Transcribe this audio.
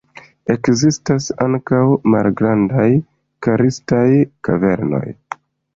Ekzistas ankaŭ malgrandaj karstaj kavernoj.